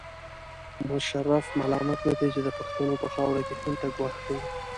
مشرف ملامت نه دی چې د پښتنو په خاوره کې هند ته ګواښ کوي.